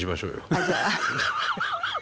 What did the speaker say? あじゃあ。